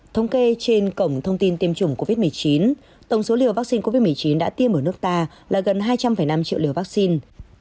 thống kê trên cổng thông tin tiêm chủng covid một mươi chín tổng số liều vaccine covid một mươi chín đã tiêm ở nước ta là gần hai trăm linh năm triệu liều vaccine